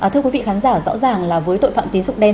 thưa quý vị khán giả rõ ràng là với tội phạm tín dụng đen